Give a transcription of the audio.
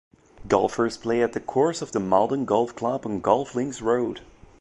Golfers play at the course of the Maldon Golf Club on Golf Links Road.